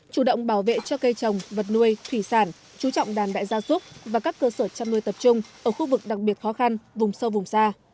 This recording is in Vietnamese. chủ động bảo vệ cho cây trồng vật nuôi thủy sản chú trọng đàn đại gia súc và các cơ sở chăm nuôi tập trung ở khu vực đặc biệt khó khăn vùng sâu vùng xa